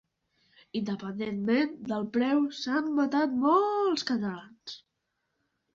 Independentment del preu, s'han matat molts catalans.